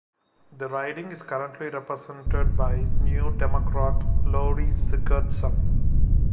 The riding is currently represented by New Democrat Lori Sigurdson.